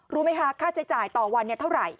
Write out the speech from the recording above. รู้ไหมคะค่าใช้จ่ายต่อวันเท่าไหร่